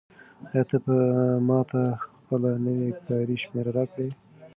آیا ته به ماته خپله نوې کاري شمېره راکړې؟